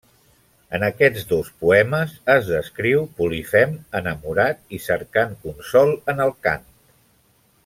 En aquests dos poemes, es descriu Polifem enamorat i cercant consol en el cant.